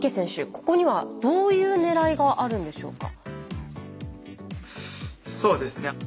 ここにはどういうねらいがあるんでしょうか？